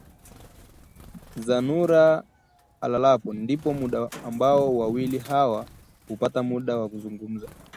Zanura alalapo ndio muda ambao wawili hawa hupata muda wa kuzungumza